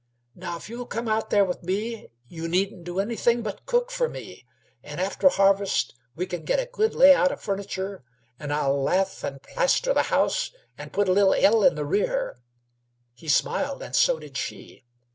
Now, if you'll come out there with me, you needn't do anything but cook f'r me, and after harvest we can git a good layout o' furniture, an' I'll lath and plaster the house and put a little hell [ell] in the rear." He smiled, and so did she.